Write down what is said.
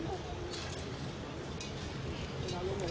สวัสดีครับ